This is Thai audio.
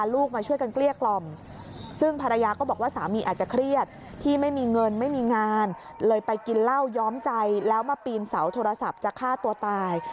เลยไปกินเหล้าย้อมใจแล้วมาปีนเสาโทรศัพท์จะฆ่าตัวตาย